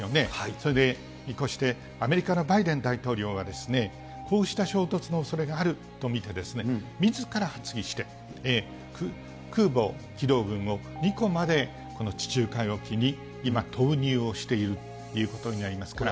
それで見越して、アメリカのバイデン大統領が、こうした衝突のおそれがあると見て、みずから発議して空母機動軍を２個までこの地中海沖に今、投入をしているということになりますから。